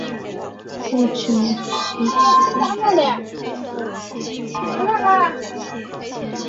不久即辞官。